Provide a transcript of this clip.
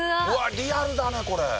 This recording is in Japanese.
リアルだねこれ。